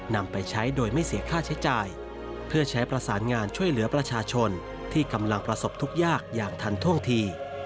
นำไปใช้โดยไม่เสียค่าใช้จ่ายเพื่อใช้ประสานงานช่วยเหลือประชาชนที่กำลังประสบทุกยากอย่างทันท่วงที